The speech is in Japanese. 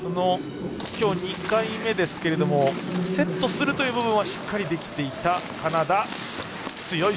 きょう２回目ですけどもセットするという部分はしっかりできていたカナダ。